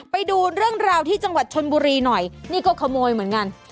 ไปดูเรื่องราวที่จังหวัดชนบุรีหน่อยนี่ก็ขโมยเหมือนกัน